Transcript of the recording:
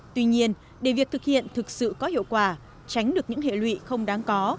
tuy nhiên để việc thực hiện thực sự có hiệu quả tránh được những hệ lụy không đáng có